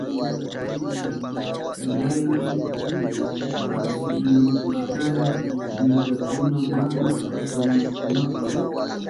Chakrayni tuputa ñampishkani minkakuna mana pasanankunapa.